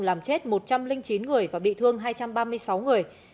làm chết một trăm linh chín người và bị thương hai trăm ba mươi sáu người